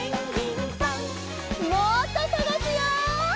もっとさがすよ。